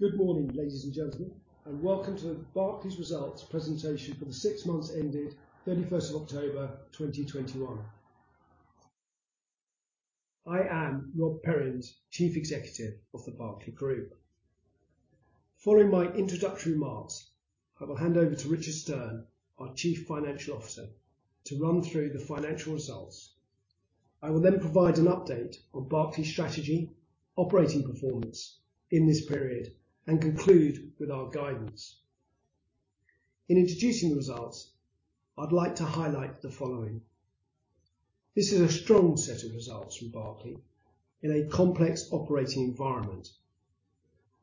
Good morning, ladies and gentlemen, and welcome to the Berkeley results presentation for the six months ending 31st of October, 2021. I am Rob Perrins, Chief Executive of the Berkeley Group. Following my introductory remarks, I will hand over to Richard Stearn, our Chief Financial Officer, to run through the financial results. I will then provide an update on Berkeley strategy operating performance in this period and conclude with our guidance. In introducing the results, I'd like to highlight the following. This is a strong set of results from Berkeley in a complex operating environment.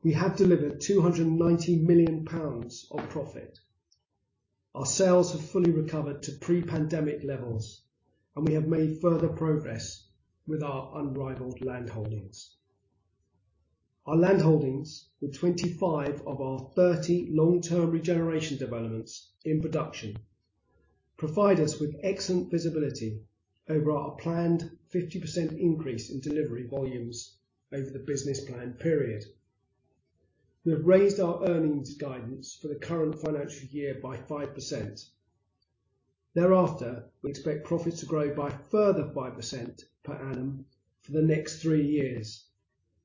We have delivered 290 million pounds of profit. Our sales have fully recovered to pre-pandemic levels, and we have made further progress with our unrivaled land holdings. Our land holdings, with 25 of our 30 long-term regeneration developments in production, provide us with excellent visibility over our planned 50% increase in delivery volumes over the business plan period. We have raised our earnings guidance for the current financial year by 5%. Thereafter, we expect profits to grow by a further 5% per annum for the next three years,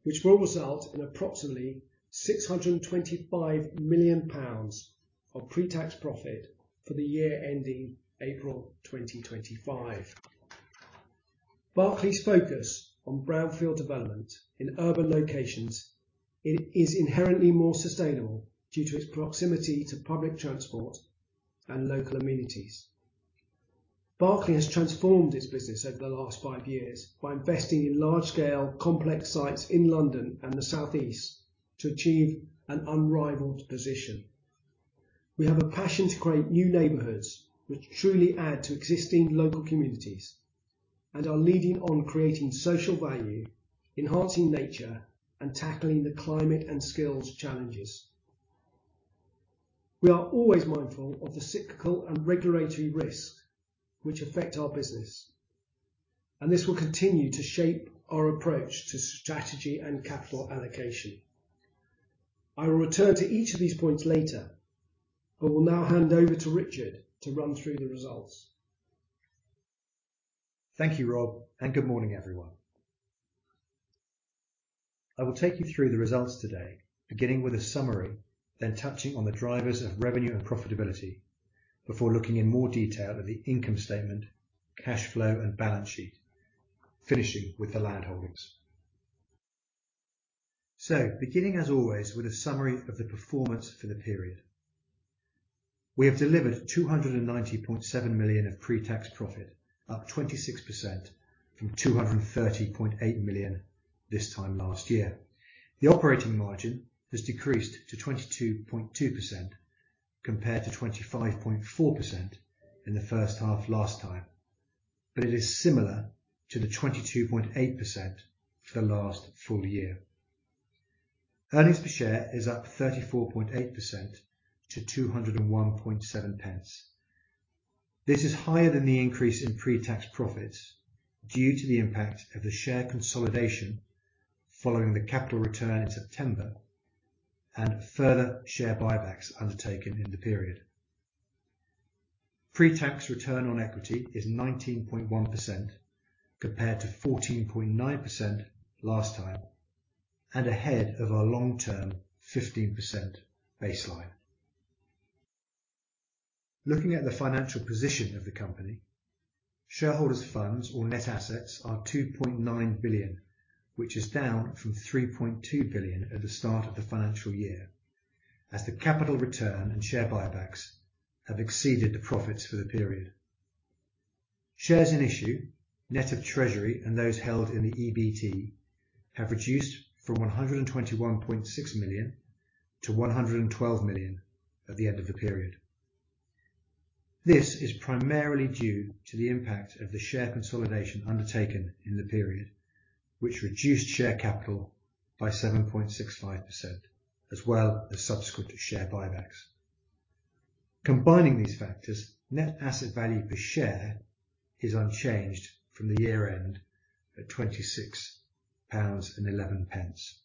which will result in approximately 625 million pounds of pre-tax profit for the year ending April 2025. Berkeley's focus on brownfield development in urban locations is inherently more sustainable due to its proximity to public transport and local amenities. Berkeley has transformed its business over the last five years by investing in large scale complex sites in London and the Southeast to achieve an unrivaled position. We have a passion to create new neighborhoods which truly add to existing local communities and are leading on creating social value, enhancing nature, and tackling the climate and skills challenges. We are always mindful of the cyclical and regulatory risks which affect our business, and this will continue to shape our approach to strategy and capital allocation. I will return to each of these points later, but will now hand over to Richard to run through the results. Thank you, Rob, and good morning, everyone. I will take you through the results today, beginning with a summary, then touching on the drivers of revenue and profitability before looking in more detail at the income statement, cash flow, and balance sheet, finishing with the land holdings. Beginning, as always, with a summary of the performance for the period. We have delivered 290.7 million of pre-tax profit, up 26% from 230.8 million this time last year. The operating margin has decreased to 22.2% compared to 25.4% in the first half last time, but it is similar to the 22.8% for the last full year. Earnings per share is up 34.8% to 201.7 pence. This is higher than the increase in pre-tax profits due to the impact of the share consolidation following the capital return in September and further share buybacks undertaken in the period. Pre-tax return on equity is 19.1% compared to 14.9% last time and ahead of our long term 15% baseline. Looking at the financial position of the company, shareholders funds or net assets are 2.9 billion, which is down from 3.2 billion at the start of the financial year, as the capital return and share buybacks have exceeded the profits for the period. Shares in issue, net of Treasury and those held in the EBT have reduced from 121.6 million to 112 million at the end of the period. This is primarily due to the impact of the share consolidation undertaken in the period, which reduced share capital by 7.65% as well as subsequent share buybacks. Combining these factors, net asset value per share is unchanged from the year end at 26.11 pounds.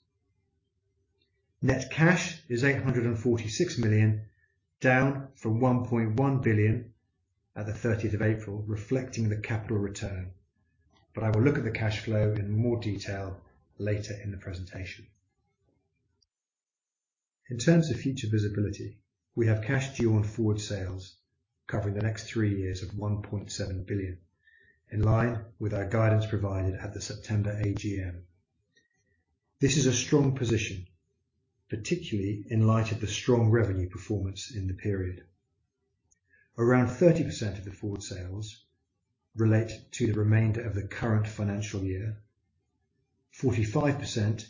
Net cash is 846 million, down from 1.1 billion at the 30th of April, reflecting the capital return. I will look at the cash flow in more detail later in the presentation. In terms of future visibility, we have cash due on forward sales covering the next three years of 1.7 billion, in line with our guidance provided at the September AGM. This is a strong position, particularly in light of the strong revenue performance in the period. Around 30% of the forward sales relate to the remainder of the current financial year. 45%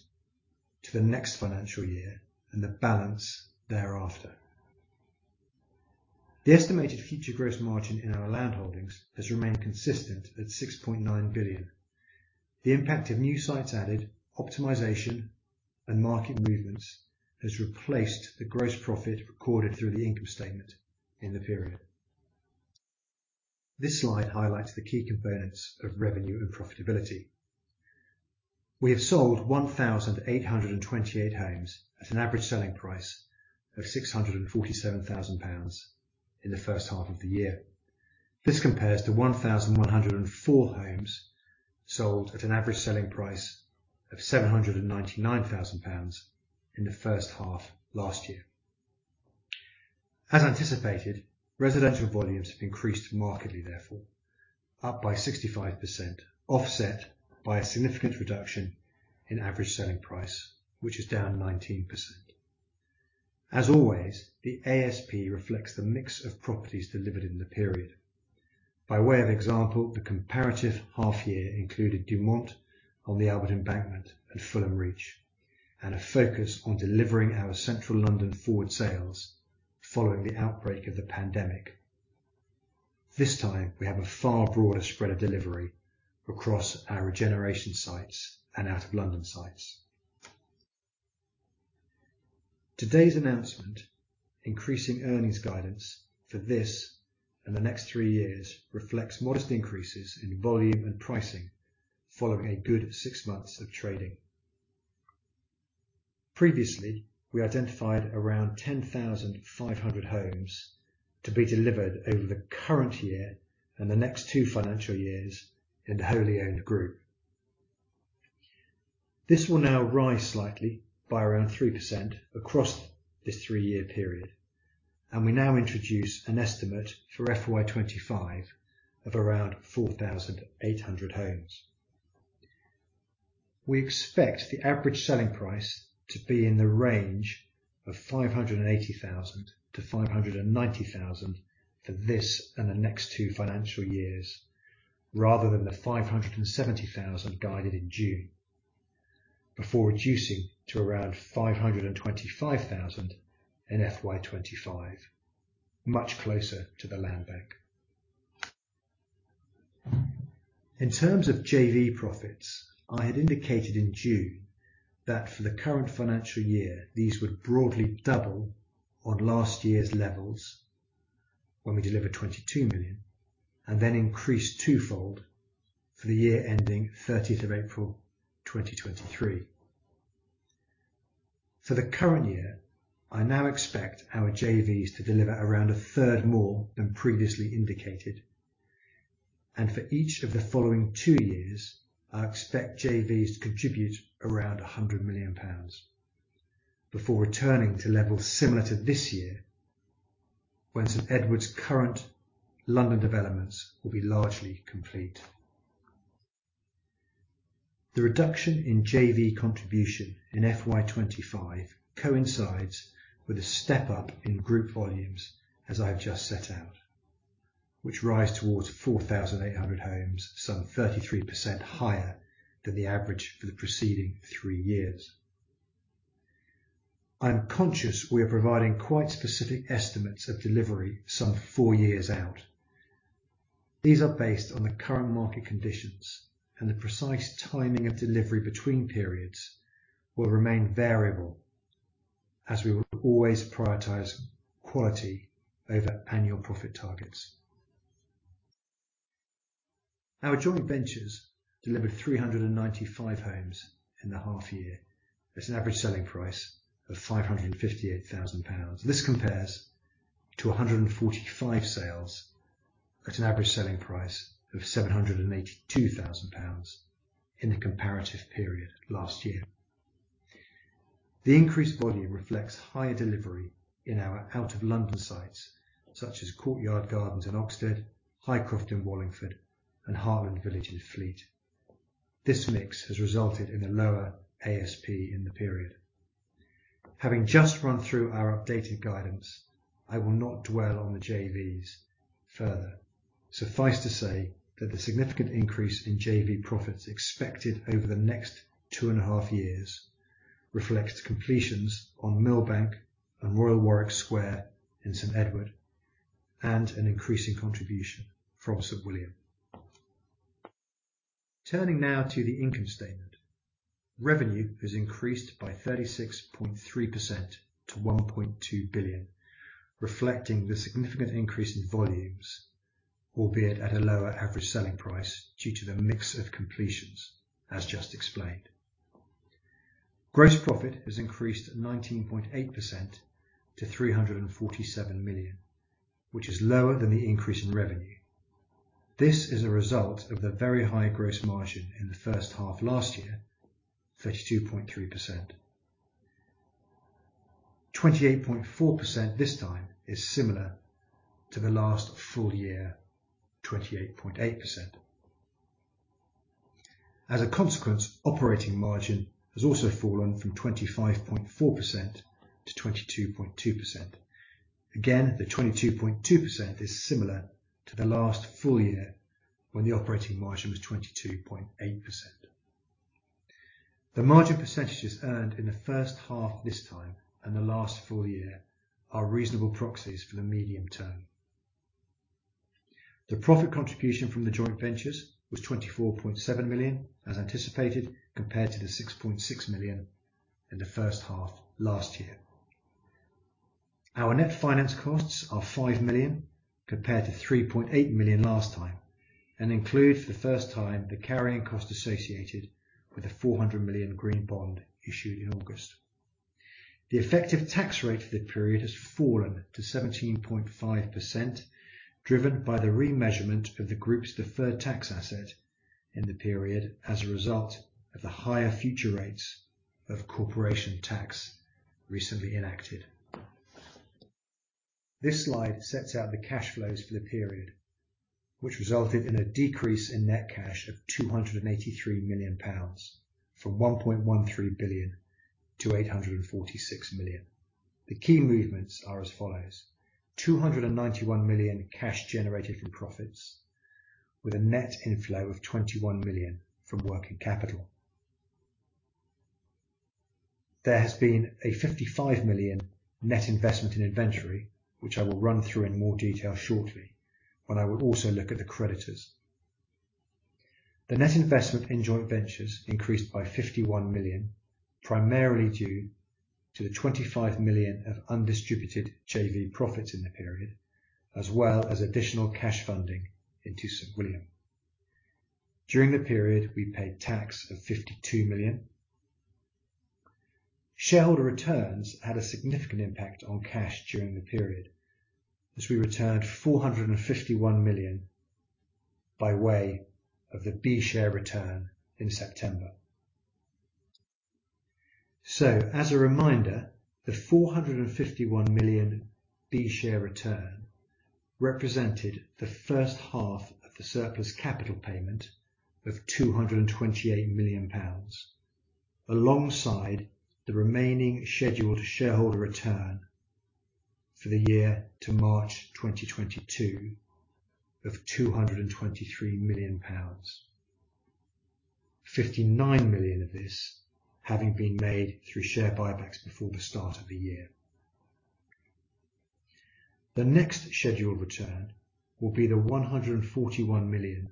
to the next financial year and the balance thereafter. The estimated future gross margin in our land holdings has remained consistent at 6.9 billion. The impact of new sites added, optimization, and market movements has replaced the gross profit recorded through the income statement in the period. This slide highlights the key components of revenue and profitability. We have sold 1,828 homes at an average selling price of 647,000 pounds in the first half of the year. This compares to 1,104 homes sold at an average selling price of 799,000 pounds in the first half last year. As anticipated, residential volumes have increased markedly, therefore, up by 65%, offset by a significant reduction in average selling price, which is down 19%. As always, the ASP reflects the mix of properties delivered in the period. By way of example, the comparative half year included Dumont on the Albert Embankment and Fulham Reach, and a focus on delivering our Central London forward sales following the outbreak of the pandemic. This time, we have a far broader spread of delivery across our regeneration sites and out of London sites. Today's announcement increasing earnings guidance for this and the next three years reflects modest increases in volume and pricing following a good six months of trading. Previously, we identified around 10,500 homes to be delivered over the current year and the next two financial years in the wholly owned group. This will now rise slightly by around 3% across this three-year period, and we now introduce an estimate for FY 2025 of around 4,800 homes. We expect the average selling price to be in the range of 580,000-590,000 for this and the next two financial years, rather than the 570,000 guided in June, before reducing to around 525,000 in FY 2025, much closer to the land bank. In terms of JV profits, I had indicated in June that for the current financial year, these would broadly double on last year's levels when we delivered 22 million, and then increase twofold for the year ending 30th of April, 2023. For the current year, I now expect our JVs to deliver around a third more than previously indicated. For each of the following two years, I expect JVs to contribute around 100 million pounds before returning to levels similar to this year when St Edward's current London developments will be largely complete. The reduction in JV contribution in FY 2025 coincides with a step up in group volumes as I've just set out, which rise towards 4,800 homes, some 33% higher than the average for the preceding three years. I am conscious we are providing quite specific estimates of delivery some four years out. These are based on the current market conditions, and the precise timing of delivery between periods will remain variable, as we will always prioritize quality over annual profit targets. Our joint ventures delivered 395 homes in the half year at an average selling price of 558,000 pounds. This compares to 145 sales at an average selling price of 782,000 pounds in the comparative period last year. The increased volume reflects higher delivery in our out of London sites, such as Courtyard Gardens in Oxted, Highcroft in Wallingford, and Hartland Village in Fleet. This mix has resulted in a lower ASP in the period. Having just run through our updated guidance, I will not dwell on the JVs further. Suffice to say that the significant increase in JV profits expected over the next two and a half years reflects completions on Millbank and Royal Warwick Square in St Edward and an increasing contribution from St William. Turning now to the income statement. Revenue has increased by 36.3% to 1.2 billion, reflecting the significant increase in volumes, albeit at a lower average selling price due to the mix of completions, as just explained. Gross profit has increased 19.8% to 347 million, which is lower than the increase in revenue. This is a result of the very high gross margin in the first half last year, 32.3%. 28.4% this time is similar to the last full year, 28.8%. As a consequence, operating margin has also fallen from 25.4% to 22.2%. Again, the 22.2% is similar to the last full year when the operating margin was 22.8%. The margin percentages earned in the first half this time and the last full year are reasonable proxies for the medium term. The profit contribution from the joint ventures was 24.7 million, as anticipated, compared to 6.6 million in the first half last year. Our net finance costs are 5 million compared to 3.8 million last time and includes the first time the carrying cost associated with the 400 million Green Bond issued in August. The effective tax rate for the period has fallen to 17.5%, driven by the remeasurement of the Group's deferred tax asset in the period as a result of the higher future rates of corporation tax recently enacted. This slide sets out the cash flows for the period, which resulted in a decrease in net cash of 283 million pounds from 1.13 billion to 846 million. The key movements are as follows. 291 million cash generated from profits with a net inflow of 21 million from working capital. There has been a 55 million net investment in inventory, which I will run through in more detail shortly when I will also look at the creditors. The net investment in joint ventures increased by 51 million, primarily due to the 25 million of undistributed JV profits in the period, as well as additional cash funding into St. William. During the period, we paid tax of 52 million. Shareholder returns had a significant impact on cash during the period as we returned 451 million by way of the B Share return in September. As a reminder, the 451 million B Share return represented the first half of the surplus capital payment of 228 million pounds, alongside the remaining scheduled shareholder return for the year to March 2022 of 223 million pounds, 59 million of this having been made through share buybacks before the start of the year. The next scheduled return will be the 141 million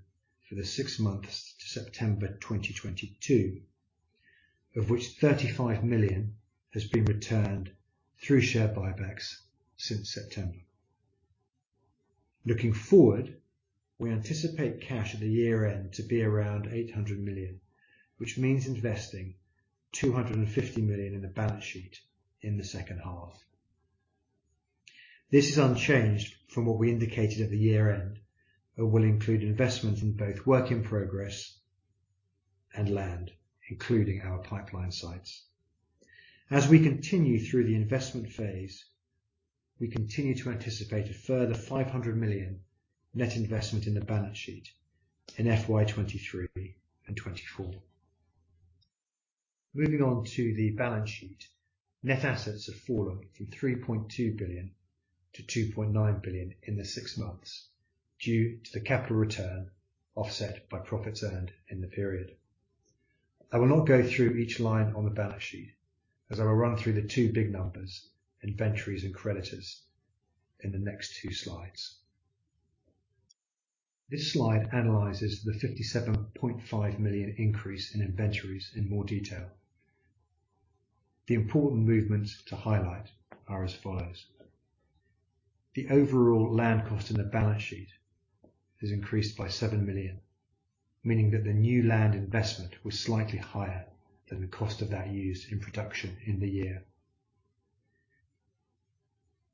for the six months to September 2022, of which 35 million has been returned through share buybacks since September. Looking forward, we anticipate cash at the year end to be around 800 million, which means investing 250 million in the balance sheet in the second half. This is unchanged from what we indicated at the year end, but will include investment in both work in progress and land, including our pipeline sites. As we continue through the investment phase, we continue to anticipate a further 500 million net investment in the balance sheet in FY 2023 and 2024. Moving on to the balance sheet. Net assets have fallen from 3.2 billion to 2.9 billion in the six months due to the capital return offset by profits earned in the period. I will not go through each line on the balance sheet as I will run through the two big numbers, inventories and creditors in the next two slides. This slide analyzes the 57.5 million increase in inventories in more detail. The important movements to highlight are as follows. The overall land cost in the balance sheet has increased by 7 million, meaning that the new land investment was slightly higher than the cost of that used in production in the year.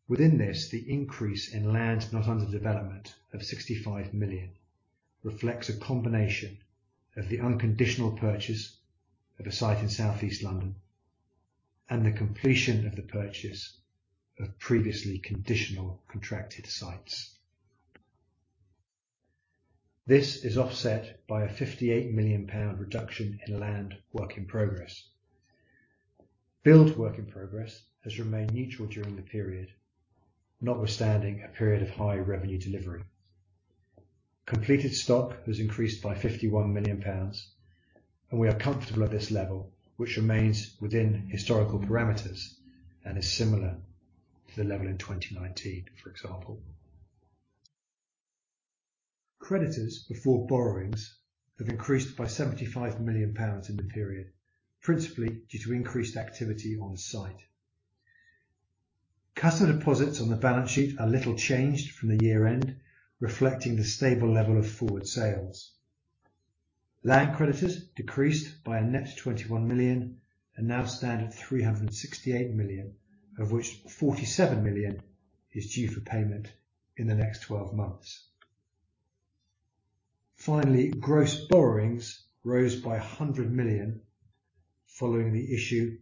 Within this, the increase in land not under development of 65 million reflects a combination of the unconditional purchase of a site in south-east London and the completion of the purchase of previously conditional contracted sites. This is offset by a 58 million pound reduction in land work in progress. Build work in progress has remained neutral during the period, notwithstanding a period of high revenue delivery. Completed stock has increased by 51 million pounds and we are comfortable at this level, which remains within historical parameters and is similar to the level in 2019, for example. Creditors before borrowings have increased by 75 million pounds in the period, principally due to increased activity on site. Customer deposits on the balance sheet are little changed from the year-end, reflecting the stable level of forward sales. Land creditors decreased by a net 21 million and now stand at 368 million, of which 47 million is due for payment in the next 12 months. Finally, gross borrowings rose by 100 million following the issue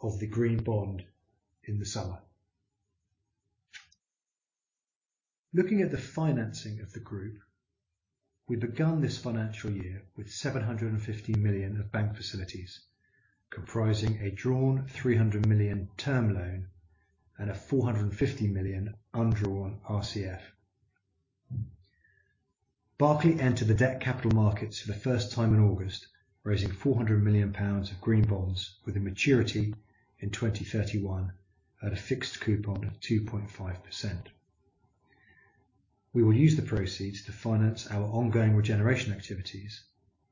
of the Green Bond in the summer. Looking at the financing of the group, we began this financial year with 750 million of bank facilities, comprising a drawn 300 million term loan and a 450 million undrawn RCF. Berkeley entered the debt capital markets for the first time in August, raising 400 million pounds of Green Bonds with a maturity in 2031 at a fixed coupon of 2.5%. We will use the proceeds to finance our ongoing regeneration activities,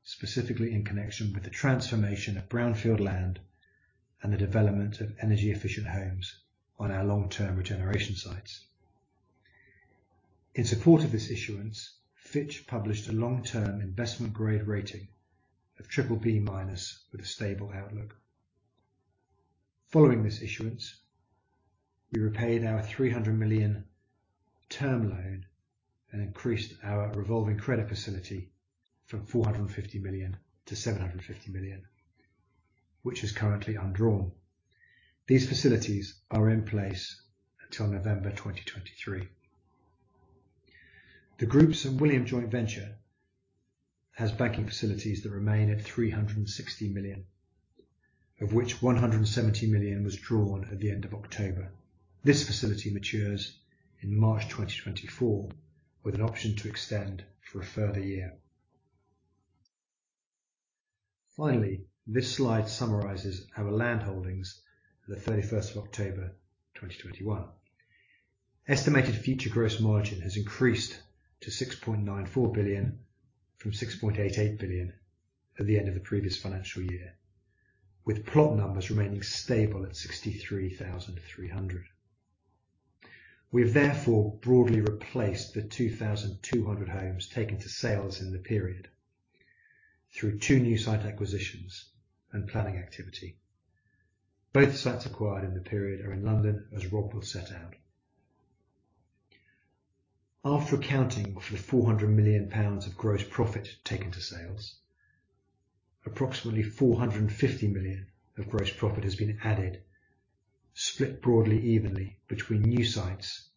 specifically in connection with the transformation of brownfield land and the development of energy efficient homes on our long term regeneration sites. In support of this issuance, Fitch published a long term investment grade rating of BBB- with a stable outlook. Following this issuance, we repaid our 300 million term loan and increased our revolving credit facility from 450 million to 750 million, which is currently undrawn. These facilities are in place until November 2023. The St William joint venture has banking facilities that remain at 360 million, of which 170 million was drawn at the end of October. This facility matures in March 2024, with an option to extend for a further year. Finally, this slide summarizes our land holdings at the 31st of October 2021. Estimated future gross margin has increased to 6.94 billion from 6.88 billion at the end of the previous financial year, with plot numbers remaining stable at 63,300. We have therefore broadly replaced the 2,200 homes taken to sales in the period through two new site acquisitions and planning activity. Both sites acquired in the period are in London as Rob will set out. After accounting for the 400 million pounds of gross profit taken to sales, approximately 450 million of gross profit has been added, split broadly, evenly between new sites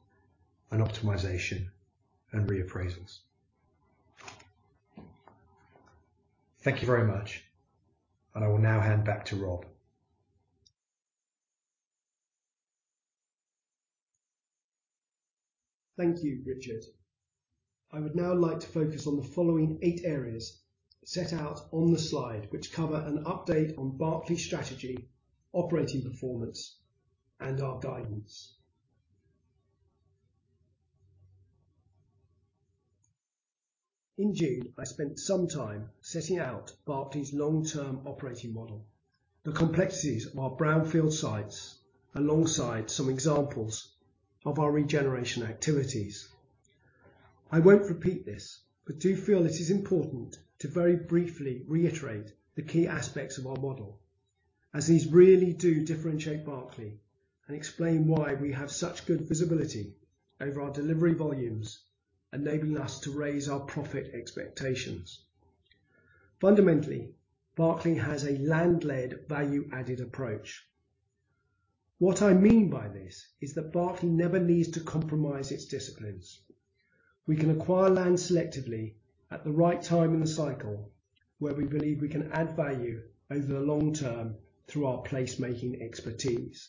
and optimization and reappraisals. Thank you very much and I will now hand back to Rob. Thank you, Richard. I would now like to focus on the following eight areas set out on the slide which cover an update on Berkeley strategy, operating performance and our guidance. In June, I spent some time setting out Berkeley's long term operating model, the complexities of our brownfield sites, alongside some examples of our regeneration activities. I won't repeat this, but do feel it is important to very briefly reiterate the key aspects of our model, as these really do differentiate Berkeley and explain why we have such good visibility over our delivery volumes, enabling us to raise our profit expectations. Fundamentally, Berkeley has a land led value-added approach. What I mean by this is that Berkeley never needs to compromise its disciplines. We can acquire land selectively at the right time in the cycle where we believe we can add value over the long term through our placemaking expertise.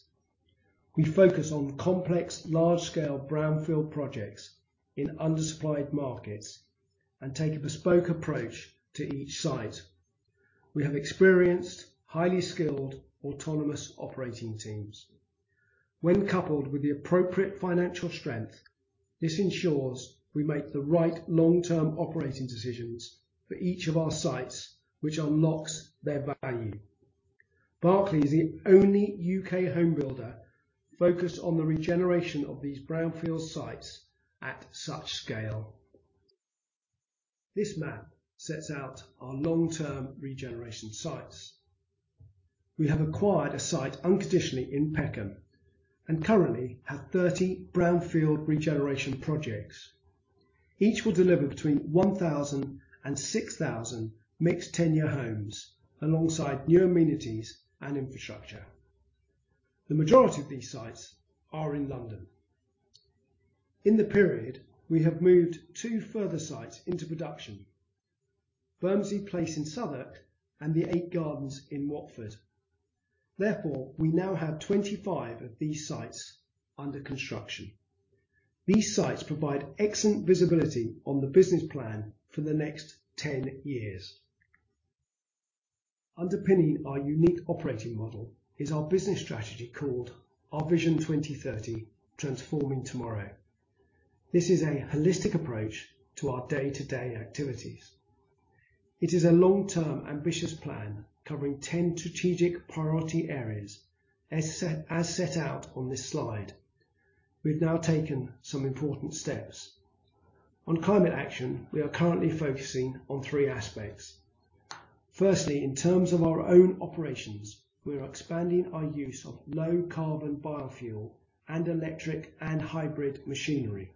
We focus on complex, large scale brownfield projects in undersupplied markets and take a bespoke approach to each site. We have experienced highly skilled autonomous operating teams. When coupled with the appropriate financial strength, this ensures we make the right long term operating decisions for each of our sites, which unlocks their value. Berkeley is the only U.K. home builder focused on the regeneration of these brownfield sites at such scale. This map sets out our long term regeneration sites. We have acquired a site unconditionally in Peckham and currently have 30 brownfield regeneration projects. Each will deliver between 1000 and 6000 mixed tenure homes alongside new amenities and infrastructure. The majority of these sites are in London. In the period, we have moved two further sites into production, Bermondsey Place in Southwark and the Eight Gardens in Watford. Therefore, we now have 25 of these sites under construction. These sites provide excellent visibility on the business plan for the next 10 years. Underpinning our unique operating model is our business strategy called Our Vision 2030, Transforming Tomorrow. This is a holistic approach to our day-to-day activities. It is a long-term ambitious plan covering 10 strategic priority areas. As set out on this slide, we've now taken some important steps. On climate action, we are currently focusing on three aspects. Firstly, in terms of our own operations, we are expanding our use of low carbon biofuel and electric and hybrid machinery.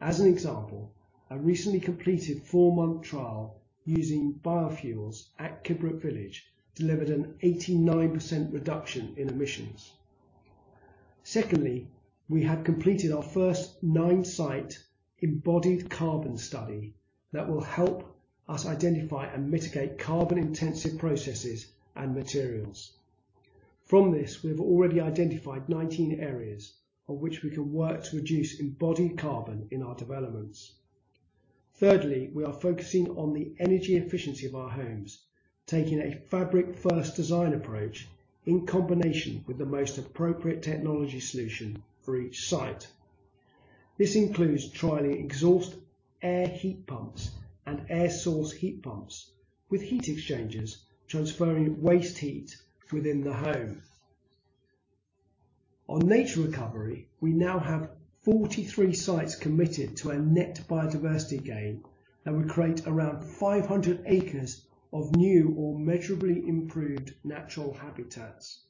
As an example, a recently completed 4-month trial using biofuels at Kidbrooke Village delivered an 89% reduction in emissions. Secondly, we have completed our first 9-site embodied carbon study that will help us identify and mitigate carbon intensive processes and materials. From this, we have already identified 19 areas on which we can work to reduce embodied carbon in our developments. Thirdly, we are focusing on the energy efficiency of our homes, taking a fabric first design approach in combination with the most appropriate technology solution for each site. This includes trialing exhaust air heat pumps and air source heat pumps with heat exchangers transferring waste heat within the home. On nature recovery, we now have 43 sites committed to a net biodiversity gain that will create around 500 acres of new or measurably improved natural habitats.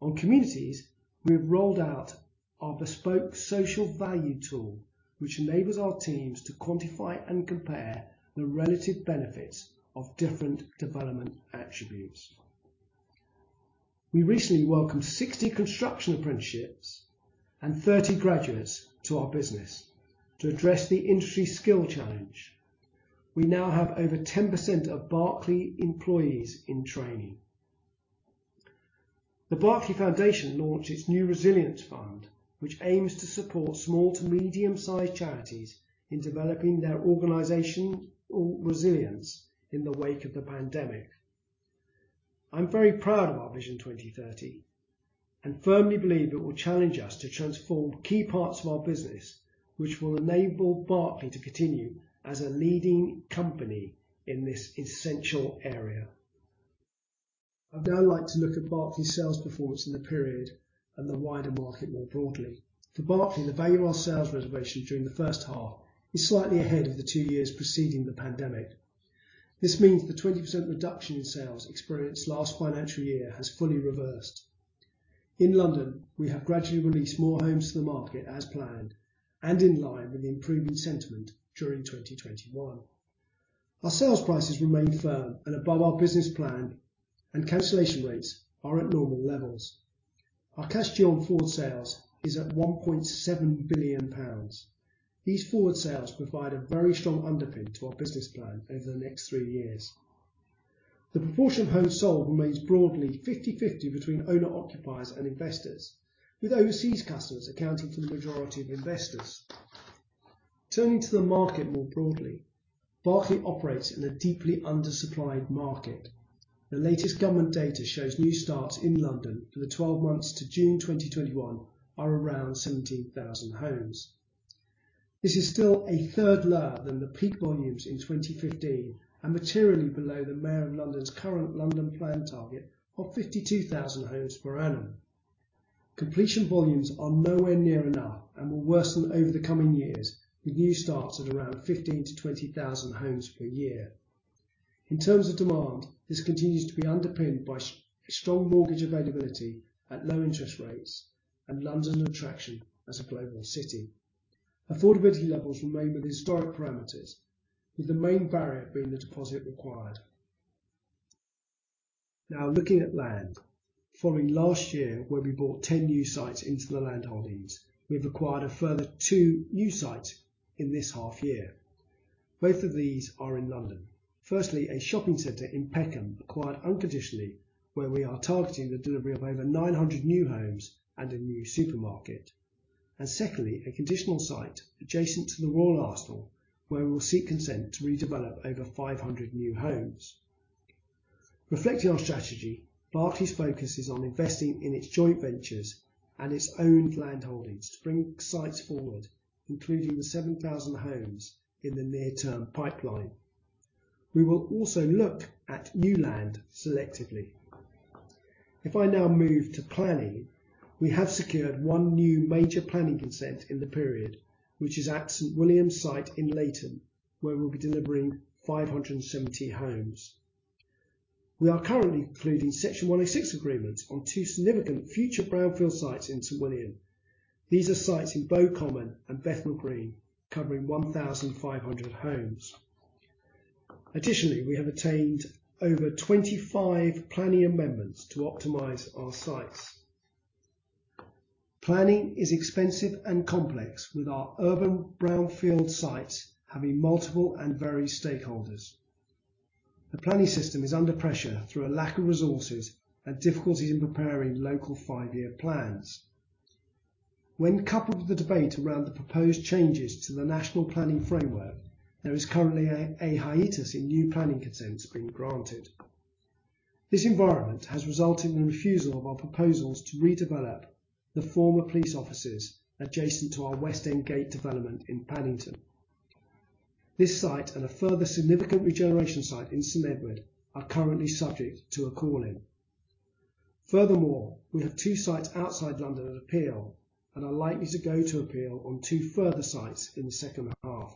On communities, we have rolled out our bespoke social value tool, which enables our teams to quantify and compare the relative benefits of different development attributes. We recently welcomed 60 construction apprenticeships and 30 graduates to our business to address the industry skill challenge. We now have over 10% of Berkeley employees in training. The Berkeley Foundation launched its new resilience fund, which aims to support small to medium-sized charities in developing their organizational resilience in the wake of the pandemic. I'm very proud of Our Vision 2030 and firmly believe it will challenge us to transform key parts of our business, which will enable Berkeley to continue as a leading company in this essential area. I'd now like to look at Berkeley's sales performance in the period and the wider market more broadly. For Berkeley, the value of our sales reservations during the first half is slightly ahead of the two years preceding the pandemic. This means the 20% reduction in sales experienced last financial year has fully reversed. In London, we have gradually released more homes to the market as planned and in line with the improvement sentiment during 2021. Our sales prices remain firm and above our business plan and cancellation rates are at normal levels. Our cash deal forward sales is at 1.7 billion pounds. These forward sales provide a very strong underpin to our business plan over the next three years. The proportion of homes sold remains broadly 50/50 between owner occupiers and investors, with overseas customers accounting for the majority of investors. Turning to the market more broadly, Berkeley operates in a deeply undersupplied market. The latest government data shows new starts in London for the 12 months to June 2021 are around 17,000 homes. This is still a third lower than the peak volumes in 2015 and materially below the Mayor of London's current London Plan target of 52,000 homes per annum. Completion volumes are nowhere near enough and will worsen over the coming years, with new starts at around 15,000-20,000 homes per year. In terms of demand, this continues to be underpinned by strong mortgage availability at low interest rates and London attraction as a global city. Affordability levels remain within historic parameters, with the main barrier being the deposit required. Now looking at land. Following last year where we brought 10 new sites into the land holdings, we've acquired a further 2twonew sites in this half year. Both of these are in London. Firstly, a shopping center in Peckham acquired unconditionally where we are targeting the delivery of over 900 new homes and a new supermarket. Secondly, a conditional site adjacent to the Royal Arsenal where we will seek consent to redevelop over 500 new homes. Reflecting our strategy, Berkeley's focus is on investing in its joint ventures and its own landholdings, bringing sites forward, including the 7,000 homes in the near-term pipeline. We will also look at new land selectively. If I now move to planning. We have secured one new major planning consent in the period, which is at St William's site in Leyton, where we'll be delivering 570 homes. We are currently concluding Section 106 agreements on two significant future brownfield sites in St William. These are sites in Bow Common and Bethnal Green covering 1,500 homes. Additionally, we have attained over 25 planning amendments to optimize our sites. Planning is expensive and complex, with our urban brownfield sites having multiple and varied stakeholders. The planning system is under pressure through a lack of resources and difficulties in preparing local five-year plans. When coupled with the debate around the proposed changes to the National Planning Policy Framework, there is currently a hiatus in new planning consents being granted. This environment has resulted in the refusal of our proposals to redevelop the former police offices adjacent to our West End Gate development in Paddington. This site and a further significant regeneration site in St Edward are currently subject to a call in. Furthermore, we have two sites outside London at appeal, and are likely to go to appeal on two further sites in the second half.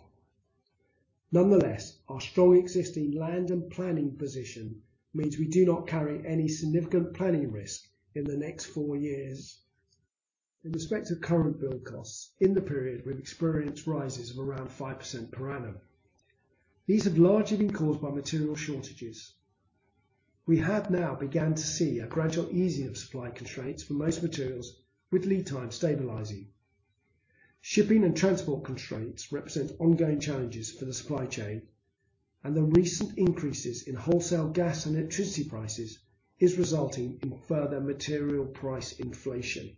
Nonetheless, our strong existing land and planning position means we do not carry any significant planning risk in the next four years. In respect of current build costs, in the period we've experienced rises of around 5% per annum. These have largely been caused by material shortages. We have now began to see a gradual easing of supply constraints for most materials with lead time stabilizing. Shipping and transport constraints represent ongoing challenges for the supply chain. The recent increases in wholesale gas and electricity prices is resulting in further material price inflation.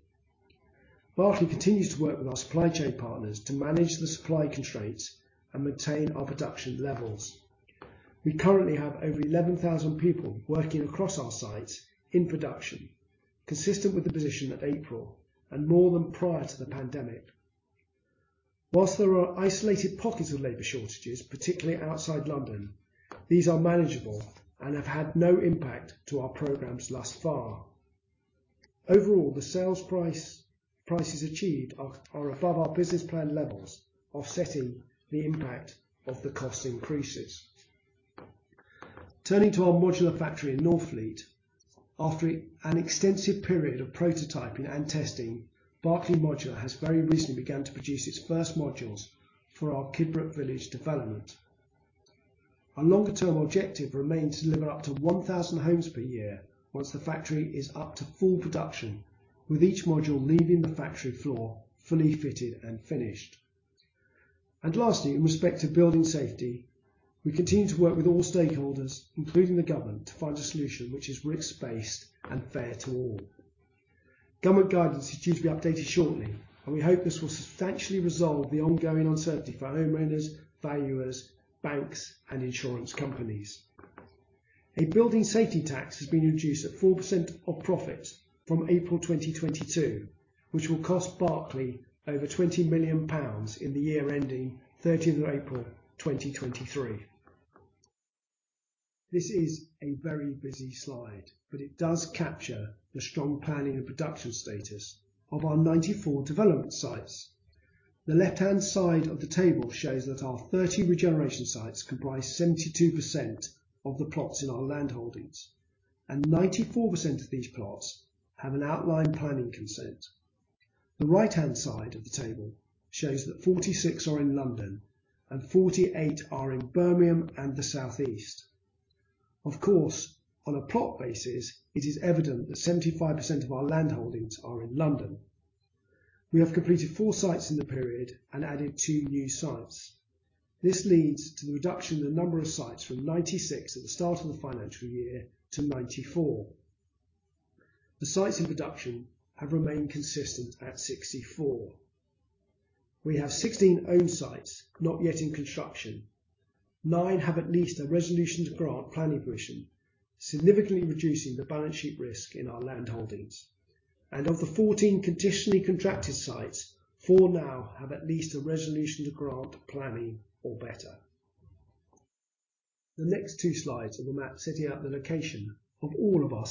Berkeley continues to work with our supply chain partners to manage the supply constraints and maintain our production levels. We currently have over 11,000 people working across our sites in production, consistent with the position at April and more than prior to the pandemic. While there are isolated pockets of labor shortages, particularly outside London, these are manageable and have had no impact to our programs thus far. Overall, the sales price, prices achieved are above our business plan levels, offsetting the impact of the cost increases. Turning to our modular factory in Northfleet. After an extensive period of prototyping and testing, Berkeley Modular has very recently begun to produce its first modules for our Kidbrooke Village development. Our longer-term objective remains to deliver up to 1,000 homes per year once the factory is up to full production, with each module leaving the factory floor fully fitted and finished. Lastly, in respect to building safety, we continue to work with all stakeholders, including the government, to find a solution which is risks based and fair to all. Government guidance is due to be updated shortly, and we hope this will substantially resolve the ongoing uncertainty for homeowners, valuers, banks, and insurance companies. A building safety tax has been introduced at 4% of profits from April 2022, which will cost Berkeley over 20 million pounds in the year ending 13th of April, 2023. This is a very busy slide, but it does capture the strong planning and production status of our 94 development sites. The left-hand side of the table shows that our 30 regeneration sites comprise 72% of the plots in our landholdings, and 94% of these plots have an outline planning consent. The right-hand side of the table shows that 46 are in London and 48 are in Birmingham and the South East. Of course, on a plot basis, it is evident that 75% of our landholdings are in London. We have completed four sites in the period and added two new sites. This leads to the reduction in the number of sites from 96 at the start of the financial year to 94. The sites in production have remained consistent at 64. We have 16 owned sites not yet in construction. Nine have at least a resolution to grant planning permission, significantly reducing the balance sheet risk in our landholdings. Of the 14 conditionally contracted sites, four now have at least a resolution to grant planning or better. The next two slides are the map setting out the location of all of our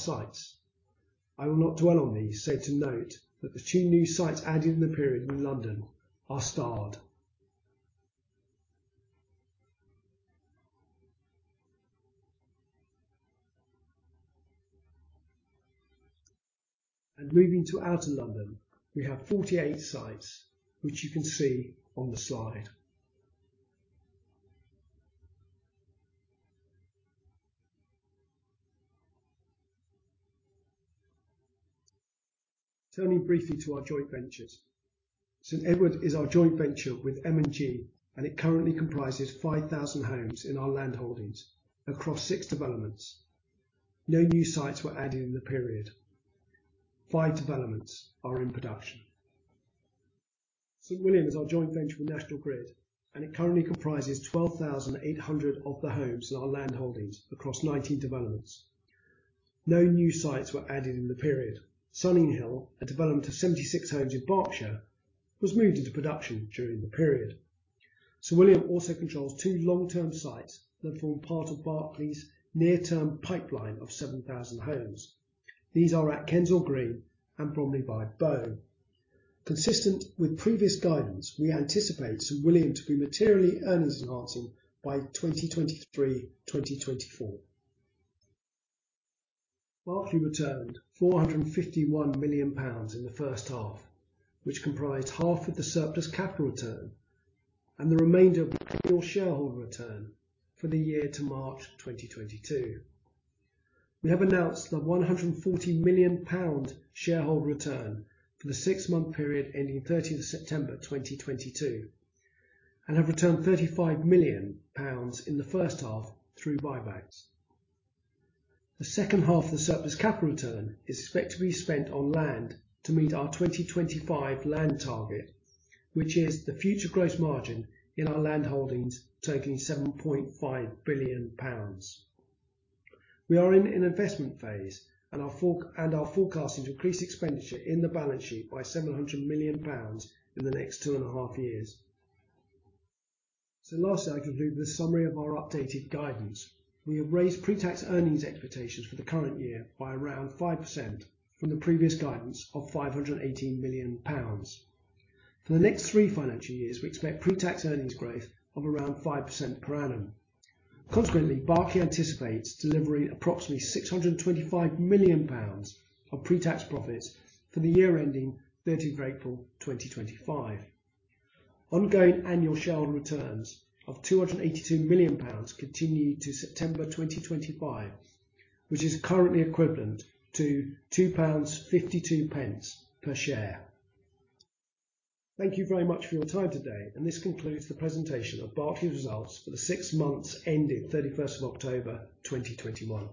sites. I will not dwell on these, save to note that the two new sites added in the period in London are starred. Moving to outer London, we have 48 sites, which you can see on the slide. Turning briefly to our joint ventures. St Edward is our joint venture with M&G, and it currently comprises 5,000 homes in our landholdings across six developments. No new sites were added in the period. Five developments are in production. St William is our joint venture with National Grid, and it currently comprises 12,800 of the homes in our landholdings across 19 developments. No new sites were added in the period. Sunninghill, a development of 76 homes in Berkshire, was moved into production during the period. St William also controls two long term sites that form part of Berkeley's near-term pipeline of 7,000 homes. These are at Kensal Green and Bromley by Bow. Consistent with previous guidance, we anticipate St William to be materially earnings enhancing by 2023, 2024. Berkeley returned 451 million pounds in the first half, which comprised half of the surplus capital return and the remainder of annual shareholder return for the year to March 2022. We have announced the 140 million pound shareholder return for the six-month period ending 13th of September 2022, and have returned 35 million pounds in the first half through buybacks. The second half of the surplus capital return is expected to be spent on land to meet our 2025 land target, which is the future gross margin in our landholdings totaling 7.5 billion pounds. We are in an investment phase and are forecasting increased expenditure in the balance sheet by 700 million pounds in the next two and a half years. Lastly, I conclude with a summary of our updated guidance. We have raised pre-tax earnings expectations for the current year by around 5% from the previous guidance of 518 million pounds. For the next three financial years, we expect pre-tax earnings growth of around 5% per annum. Consequently, Berkeley anticipates delivering approximately 625 million pounds of pre-tax profits for the year ending 30th April 2025. Ongoing annual shareholder returns of 282 million pounds continue to September 2025, which is currently equivalent to 2.52 pounds per share. Thank you very much for your time today, and this concludes the presentation of Berkeley's results for the six months ending 31st October 2021.